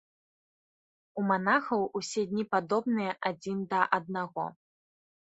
У манахаў усе дні падобныя адзін да аднаго.